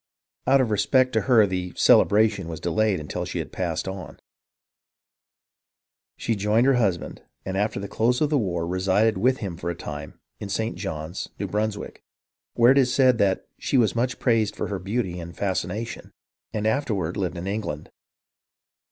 Out of respect to her the "celebration" was delayed until she had passed on. She rejoined her husband and after the close of the war resided with him for a time in St. Johns, New Brunswick, where it is said "she was much praised for her beauty and fascination," and afterward lived in England.